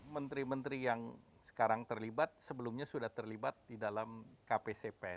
menteri menteri yang sekarang terlibat sebelumnya sudah terlibat di dalam kpcp